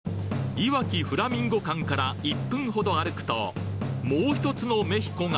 いわきフラミンゴ館から１分ほど歩くともう１つのメヒコが。